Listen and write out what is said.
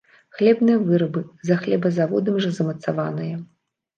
Хлебныя вырабы, за хлебазаводам жа замацаваныя.